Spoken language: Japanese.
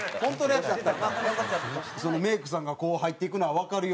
メイクさんがこう入っていくのはわかるような。